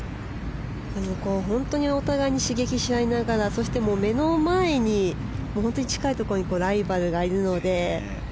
本当にお互いに刺激し合いながらそして目の前に近いところにライバルがいるので。